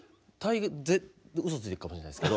うそついてるかもしれないですけど。